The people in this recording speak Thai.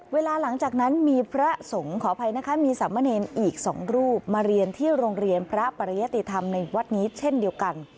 หลังจากนั้นมีพระสงฆ์ขออภัยนะคะมีสามเณรอีก๒รูปมาเรียนที่โรงเรียนพระปริยติธรรมในวัดนี้เช่นเดียวกัน